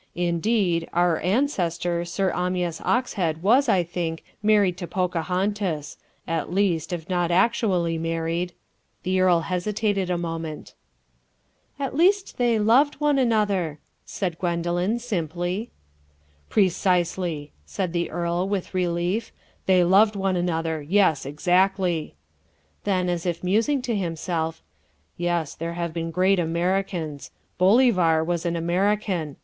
Indeed, our ancestor Sir Amyas Oxhead was, I think, married to Pocahontas at least if not actually married" the earl hesitated a moment. "At least they loved one another," said Gwendoline simply. "Precisely," said the earl, with relief, "they loved one another, yes, exactly." Then as if musing to himself, "Yes, there have been great Americans. Bolivar was an American.